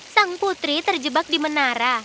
sang putri terjebak di menara